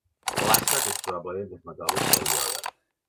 L'àstat és probablement més metàl·lic que el iode.